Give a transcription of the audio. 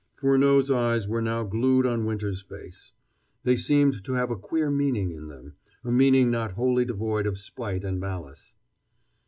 Furneaux's eyes were now glued on Winter's face. They seemed to have a queer meaning in them, a meaning not wholly devoid of spite and malice.